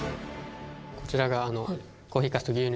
こちらが。